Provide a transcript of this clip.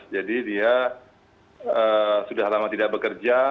jadi dia sudah lama tidak bekerja